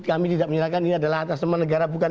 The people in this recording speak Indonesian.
kami tidak menyalahkan ini adalah atas teman negara bukan